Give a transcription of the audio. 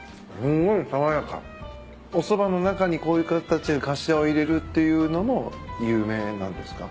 おそばの中にこういう形でかしわを入れるっていうのも有名なんですか？